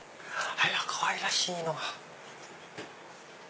あらかわいらしいのが！